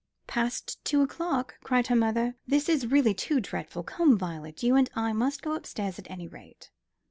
"Past two o'clock," cried her mother. "This is really too dreadful. Come, Violet, you and I must go upstairs at any rate."